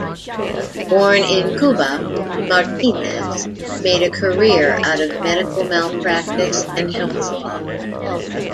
Born in Cuba, Martinez made a career out of medical malpractice and health law.